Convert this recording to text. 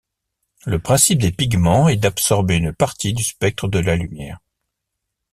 Le principe des pigments est d'absorber une partie du spectre de la lumière.